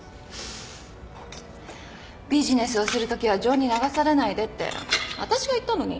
ビジネスをするときは情に流されないでって私が言ったのに